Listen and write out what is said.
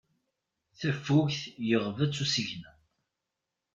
Tafukt yeɣba-tt usigna.